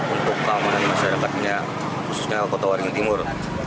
untuk keamanan masyarakatnya khususnya kota waringin timur